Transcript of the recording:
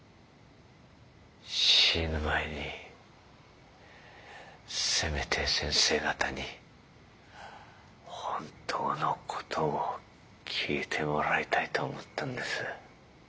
死ぬ前にせめて先生方に本当の事を聞いてもらいたいと思ったんです。